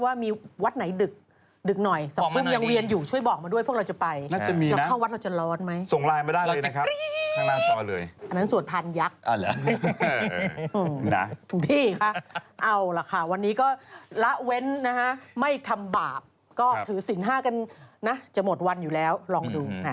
อ้าวเหรอนะคุณพี่ค่ะเอาล่ะค่ะวันนี้ก็ละเว้นนะฮะไม่ทำบาปก็ถือสิน๕กันนะจะหมดวันอยู่แล้วลองดูนะ